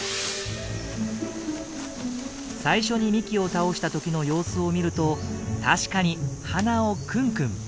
最初に幹を倒した時の様子を見ると確かに鼻をクンクン。